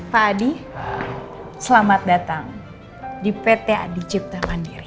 pak adi selamat datang di pt adi cipta mandiri